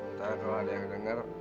entah kalau ada yang denger